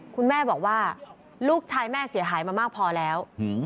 คุณแม่บอกว่าลูกชายแม่เสียหายมามากพอแล้ว